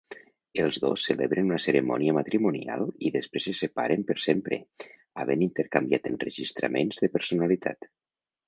Els dos celebren una cerimònia matrimonial i després se separen per sempre, havent intercanviat enregistraments de personalitat.